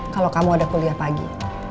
kalau kamu ada kuliah pagi